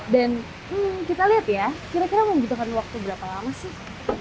dan kita lihat ya kira kira membutuhkan waktu berapa lama sih